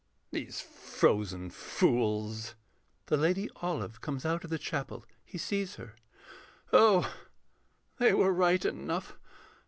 These frozen fools.... [The Lady Olive comes out of the chapel. He sees her.] Oh, they were right enough.